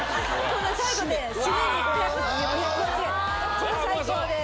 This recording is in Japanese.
・これ最高です。